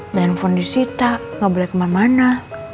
jangan tanya di sita gak boleh kemana mana